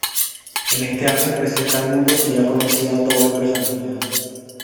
En este álbum presenta al mundo su ya conocida "doble personalidad".